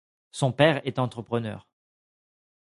Son père est un entrepreneur.